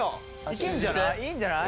いけるんじゃない？